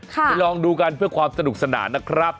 ไปลองดูกันเพื่อความสนุกสนานนะครับ